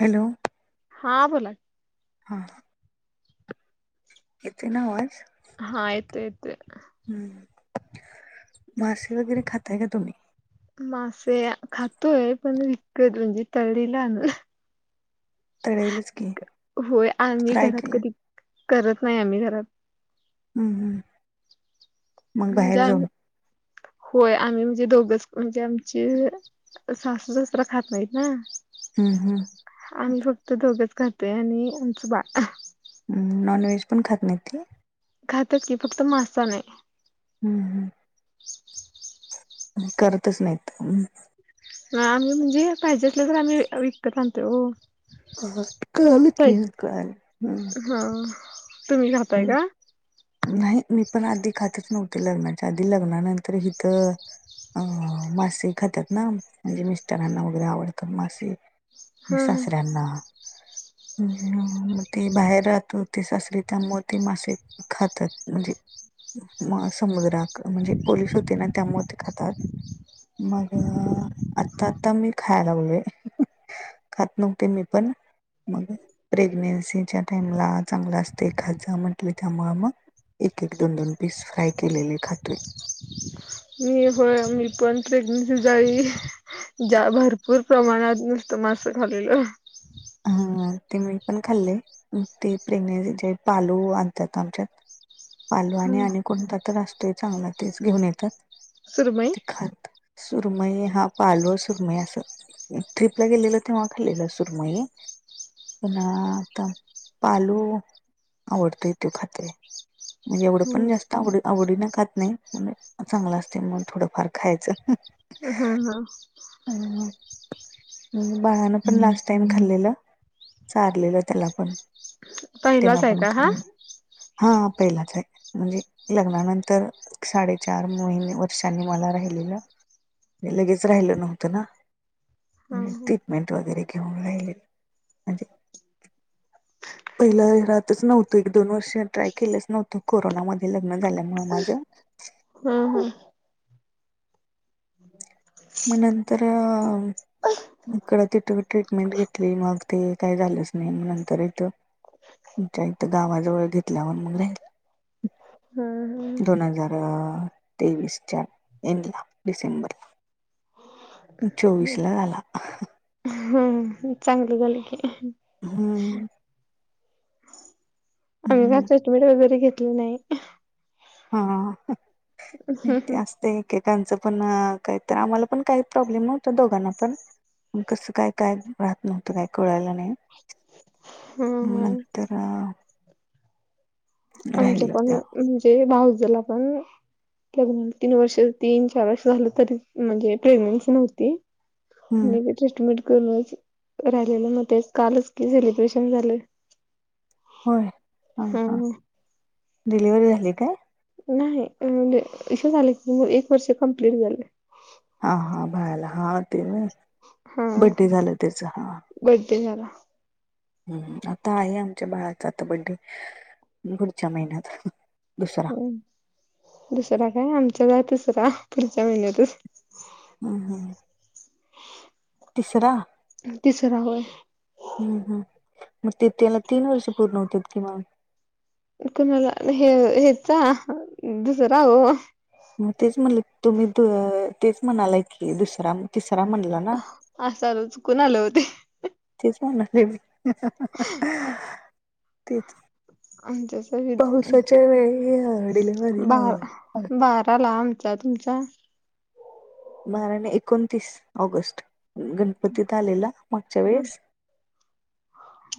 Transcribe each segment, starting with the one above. Hello. हां बोला की, हां. येतोय ना आवाज. हां येतोय येतोय. हम्म. मासे वगैरे खाताय का तुम्ही. मासे खातोय पण, विकत म्हणजे तळीला ना. [inaudible] की होय आम्ही फ्राय घरात केलं कधी, करत नाही आम्ही घरात. हम् हम्म. मग बाहेर म्हणजे आम जाऊन होय, आम्ही म्हणजे दोघच म्हणजे आमची. सासू सासरा खात नाहीत ना. हम्म हम्म. आम्ही फक्त दोघंच खातोय, आणि आमचं बाळं. नॉनव्हेज पण खात नाही ते, खातात की, फक्त मासा नाही. हम् हम्. करतच नाहीत. हम. आम्ही म्हणजे पाहिजे असलं तर आम्ही विकत आणतोय ओ. आठ काल पै कि काळाल. हा, तुम्ही घात हं. नाही, मी पण आधी खातंच नव्हते लग्नाच्या आधी. लग्नानंतर हिथं अ मासे खातात ना, म्हणजे मिस्टरांना वगैरे आवडतात मासे. अं हा हा सासऱ्यांना, मग ते बाहेर राहतो ते सासरे त्यामुळे ते मासे खातात, म्हणजे म समुद्रात म्हणजे पोलीस होते ना त्यामुळे ते खातात. मग आता आता मी खायाय लागलोय. खात नव्हते मीपण. मग प्रेग्नेन्सीच्या टाइमला चांगलं अस ते खायचं म्हटले, का मग एक एक दोन दोन पीस फ्राय केलेले खातोय. मी होय मी पण प्रेग्नेंट जाई. ज्या भरपूर प्रमाणात नुसतं मासं खाल्लेलो. हा ते मीपण खाल्लंय. ते प्रेग्नेसी येत पालू आणतात आमच्यात. आलो आणि हम्म आणि कोणता तर असतोय चांगला तेच घेऊन येतात. सुरुमई ते खात सुरमई हा पालो सुरमई असं. ट्रिपला गेलेलो तेव्हा खालेलं सुरमई. पुन्हा आता पालू आवडतंय त्यो खातोय. म्हणजे एवढं पण हम्म जास्त आवड आवडीनं खात नाही, पण चांगलं असतंय म्हणून थोडंफार खायचं. अ हं हं. अं हं बाळानं पण लास्ट टाइम खाल्लं. लेलं चारलेलं त्यालापण तेनं पहिलाच आहे पण का हा खाल्लेलं. हा पहिलाच आहे, म्हणजे लग्नानंतर साडेचार मोहिने वर्षांनी मला राहिलेलं. ते लगेच राहिल नव्हतं ना. हा हा ट्रीटमेंट वगैरे घेऊन राहिलेत. म्हणजे पहिलं हे राहतच नव्हतं, एक दोन वर्ष ट्राय केलंच नव्हतं कोरोनामध्ये लग्न झाल्यामुळं माझं. हं हं. मग नंतर इकडं तिथं ट्रीटमेंट घेतली, मग ते काही झालंच नाही. नंतर इथं आमच्या इथं गावाजवळ घेतल्यावर मग राहील. हा हं. दोन हजार तेवीसच्या एंडला डिसेंबरला. चोवीसला झाला. हं चांगलं झालंय. हम्म आम्ही काय हम्म ट्रीटमेंट वगैरे घेतली नाय. हा, ते हा अस ते एकेकांचं पण काहीतर, आम्हालापण काही प्रॉब्लेम नव्हता दोघांना पण. मग कसं काय काय राहत नव्हतं, काय कळालं नाही. मग हा नंतर हा आमच्यापण म्हणजे भाऊजला पण तर तीन वर्ष, तीन चार वर्ष झालं तरी म्हणजे प्रेग्नेन्सी नव्हती. हम्म मीबी ट्रीटमेट करूनच राहिलेलं, मग ते कालच की सेलिब्रेशन झालं. होय हां हा हां, डिलिवरी झाली काय? नाही म्हणजें इशू झालं की, मग एक वर्ष कम्प्लीट झालं. हां हां बाला हा ते, ना बड्डे झालं त्याच हं बडे झाला. हम्म हम्म आता आहे आमच्या बाळाचा आता बड्डे. पुढच्या महिन्यात, दुसरा हो दुसरा काय आमच्याला, दुसरा पुढच्या महिन्यातच. अं हम्म. तिसरा, तिसरा होय हम्म हम्म, मग ते तेला तीन वर्ष पूर्ण होतात की मग. कुणाला हे हेचा, दुसरा हो. मग तेच म्हणले तुम्ही तेच, म्हणालाय की दुसरा तिसरा म्हणला ना. असं सॉरी चुकून आलेलं व ते, तेच म्हणाले मी, तेच आमच्या पावसाच्या वेळी डिलिव्हरीला. बारा बाराला आमचा तुमचा. बारा नाही एकोणतीस ऑगस्ट, गणपतीत आलेला मागच्या वेळेस.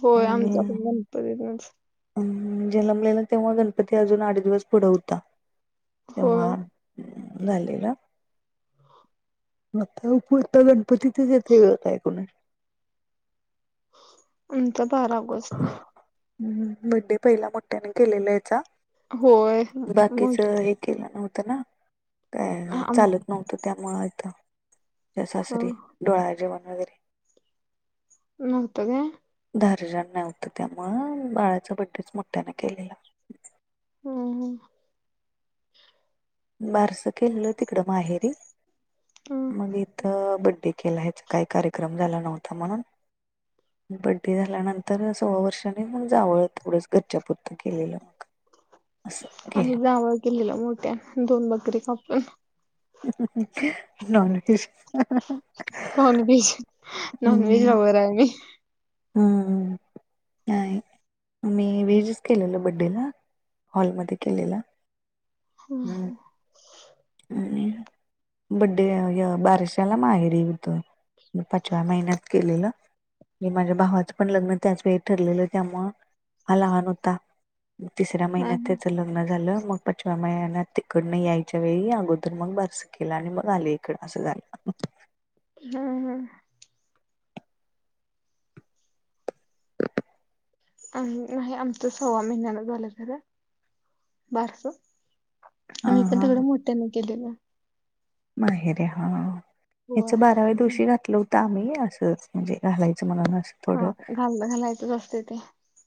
होयं आणि आमचा आपण गणपतीच. अं जलमलेला तेव्हा गणपती अजून आठ दिवस पुढं होता, होय तेव्हा झालेलं. [unintelligible] आमचा बारा ऑगस्ट. हम्.. बडे् पहिला मोठ्याने केलेला हेचा होय मग बाकीच एक. केलं नव्हतं ना, काय आम चालत नव्हतं त्यामुळं आता. त्या सासरी डोहाळ जेवण वगैरे, नव्हतं काय? दारजण नव्हतं त्यामुळं बाळाचा, बड्डेच मोठ्याने केलेला. हम् हम. बारसं केलेलं, तिकडं माहेरी. हम्म मग इथं बड्डे केला ह्याचा, काही कार्यक्रम झाला नव्हता. म्हणून बड्डे झाल्यानंतर, सोळा वर्षांनी मग जावंळ थोडंसं. घरच्या पुुरतं केलेलं, मग असं केलं मगं. केलेल्या मोठ्या, दोन बकरी कापून. नॉनव्हेज. नॉनव्हेज नॉनव्हेज लवर आहे मी. हम्म. नाही मी व्हेजच केलेला, बड्डेला हॉलमध्ये केलेला. हम्म हं. [unintelligible] बड्डे बारशाला माहेरी होतं, पाचव्या महिन्यात केलेलं. माझ्या भावाचं पण लग्न त्याच, वेळी ठरलेलं त्यामुळं हा लहान होता. तिसऱ्या हा महिन्यात त्याचं लग्न झालं, मग पाचव्या महिन्यात तिकडन याय च्या वेळी अगोदर मग बारस केलं, आणि मग आले इकडं असं झालं. हम्म हम्म. अं. नाही आमचं, सव्वा महिन्यान झालं जरा बारस. हा आम्ही पण हा तिकडं, मोठ्यान केलेलं. माहेरी हां याच होय बाराव्या दिवशी घातलं होतं. तर‌ आम्ही असं म्हणजे, घालायचं म्हणून असं. हा थोडं घाललं घालायचंच असते ते,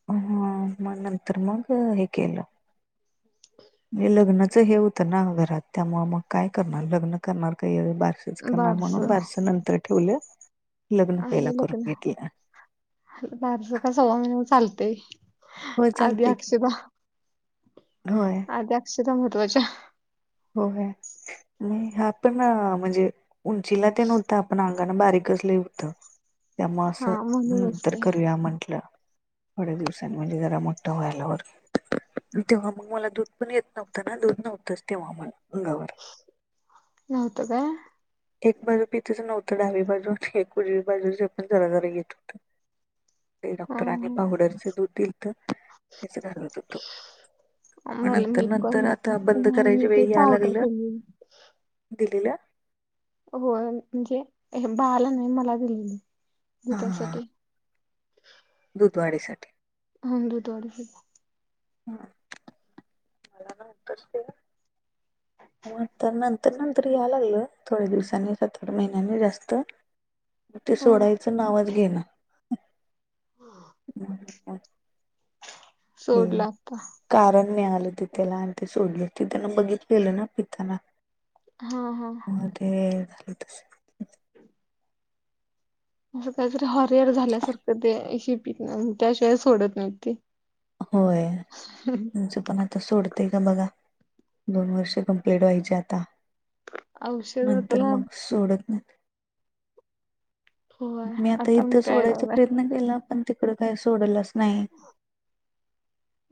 हं. मग नंतर मग हे केल. हे लग्नाच हे होतं ना घरात, त्यामुळं मग काय करणार लग्नं. करणार काही बारसच करणार, म्हणून बारस नंतर ठेवलं. लग्न पहिला आहे करून लग्नं, घेतलं बारस का सव्वा महिन चालतेय. होय अदी चालतंय की अक्षता. होय आता अक्षता महत्त्वाच्या. हो [unintelligible] काय पण म्हणजे, उंचीला ते नव्हतं पण, अंगान बारीकच लय होतं. त्यामुळे हा असं म्हणूनच नंतर, ते करूया म्हटलं. थोड्या दिवसांनी म्हणजे, जरा मोठा होय आल्यावर. तेव्हा मग मला दूध पण येत नव्हत ना, दूध नव्हतच तेव्हा मग अंगावर नव्हतं काय? एक बाजू पी टच नव्हतं डावी बाजू एक उजवी बाजूच, पण जरा जरा येत होतं. ते हा डॉक्टरनी पावडरचे दूध दिल त्याचं भरवत होतो. मग मला नंतर मी पण नंतर आता बंद नाही मी करायच्या ते वेळी याय पावडर लागलं केली दिलेलं. होय म्हणजे हे बाळाला नाही मला दिलेली दुधासाठी. दूध वाढीसाठी. अ दूध वाढीसाठी. हं मला काय आत्ताच केला? हो तर नंतर नंतर याय लागलं, थोड्या दिवसांनी सात आठ महिन्यांनी जास्त. मग ती हा सोडायचं नावच घेना. हे सोडला आत्ता. कारण मिळालं ते त्याला आणि ते सोडलं. ते त्यांनं बघितलेलं ना पिताना हा हा. मग ते झालं तस. हम् [inaudible] असं काहीतरी हा रियल झाल्यासारखं ती अशी पीत नाय त्या शिवाय सोडत नाही ती. होय तुमचे पण तो सोडते का बघा दोन वर्ष कमप्लीट व्हायची आता. नंतर औषधातला मग सोडत नाही. होय मी आता पण इथं प्यायला सोडायचा लागलाय. प्रयत्न केला, पण तिकडं काही सोडलच नाही.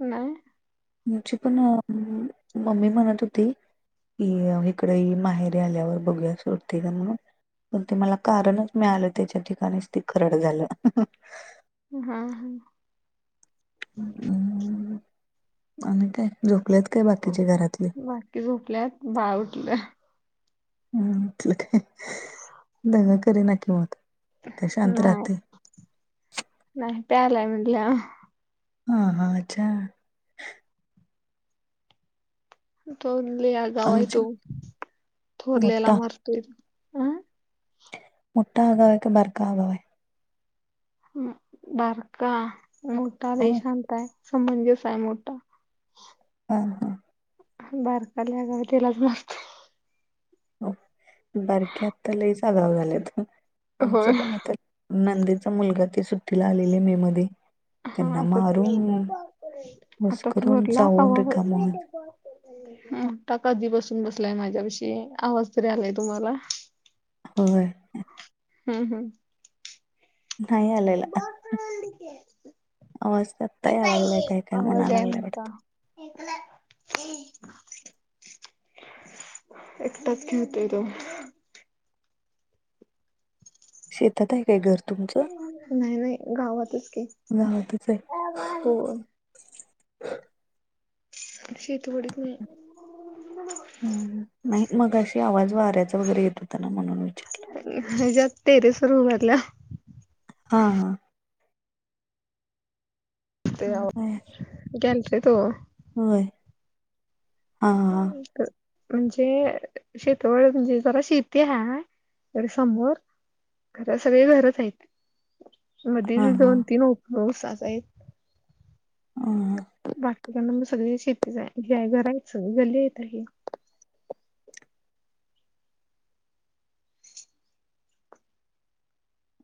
नाही. आमची पण मम्मी म्हणत होती ईल इकडे हि माहेरी आल्यावर बघूया सोडते काय म्हणून. पण ते मला कारणच मिळालं त्याच्या ठिकाणीच ते खरड झालं. हा हम्म. हम्म आणि काय झोपलेत काय बाकीचे घरातले? ते झोपल्यात, बाळ उठलं. हम्म. म्हटलं काय दंगा करीना की मग. काय शांत नाही राहते नाही पियालाय म्हणलं. ह, ह, अच्छा. तो लय आगाऊ आहे आमची तो थोरल्याला मोठा मारतोय. अं मोठा आगाव हाय का, बारका आगाव हाय? हं बारका मोठा लय हो शांत आहे, समंजस हाय मोठा. हा ना बारका लय आगाव हाय त्यालाच मारतोय. हो, बारकी आता लयच आगाव झालेत आमचे होय पण आता, नंदीचा मुलगा ते सुट्टीला आलेले मे मध्ये. हा त्यांना आता, मारून आता मस्करून थोरला चावून कवा ब रिकाम मोठा कधी पासून बसलाय माझ्यापाशी आवाज तरी आलाय तुम्हाला. होय हम् हम्. नाही आलेला बाळ का रडते. आवाज तर आत्ता याय लागलाय काय काय आवाज म्हणा लागलाय वाटत [unintelligible] हे कलर ते. एकटाच खेळतोय तो शेतात आहे काय घर तुमचं. नाही नाही गावातच की, गावातच ये. होय. शेतीवडीत नाही. हं नाही मगाशी आवाज वाऱ्याचा, वगैरे येत होता ना म्हणून विचार. जास्त टेरेस वर उभारल्या. हां हां. ते ओ होय गॅलरीत ओ. होय, आं.. म्हणजे शेतवड, म्हणजे जरा शेती हाय. तर समोर घर, सगळे घरच हायत. हा मध्ये हा दोन तीन उपवास असायचे. हं. बाकीकडना मग सगळी शेतीच हाय, हे आहे घर आहेत सगळे, गल्ली आहे आता हे.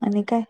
आणि काय.